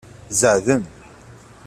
Zeɛḍen.